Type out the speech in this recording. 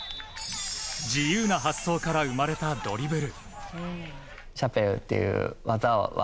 自由な発想から生まれたドリブル。